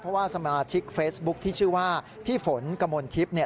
เพราะว่าสมาชิกเฟซบุ๊คที่ชื่อว่าพี่ฝนกมลทิพย์เนี่ย